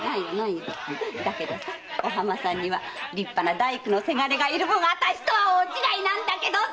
だけどお浜さんには立派な大工の伜がいるぶんあたしとは大違いなんだけどさ！